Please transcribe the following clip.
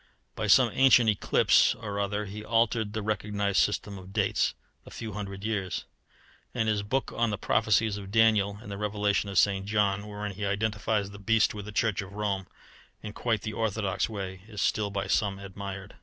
By some ancient eclipse or other he altered the recognized system of dates a few hundred years; and his book on the prophecies of Daniel and the Revelation of St. John, wherein he identifies the beast with the Church of Rome in quite the orthodox way, is still by some admired.